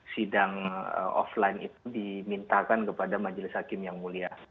sidang offline itu dimintakan kepada majelis hakim yang mulia